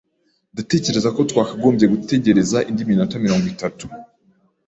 Ndatekereza ko twakagombye gutegereza indi minota mirongo itatu